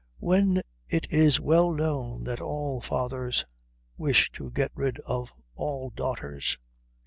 "When it is well known that all fathers wish to get rid of all daughters."